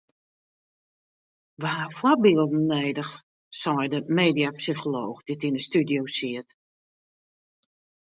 We ha foarbylden noadich sei de mediapsycholooch dy't yn de studio siet.